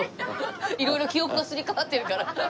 色々記憶がすり替わってるから。